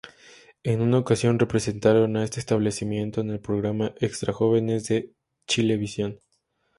En una ocasión representaron a este establecimiento en el programa "Extra jóvenes" de Chilevisión.